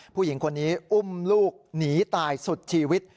ผู้หญิงคนนี้อุ้มลูกหนีตายสุดชีวิต